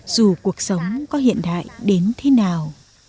dù cuộc sống có hiện đại đến thế nào